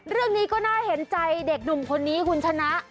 เรื่องนี้ก็น่าเห็นใจเด็กหนุ่มคนนี้คุณชนะ